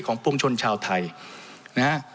ของปวงชนชาวไทย